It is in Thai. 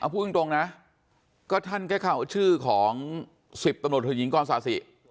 พูดตรงนะก็ท่านแค่เข้าชื่อของ๑๐ตำรวจโทยิงกรศาสิ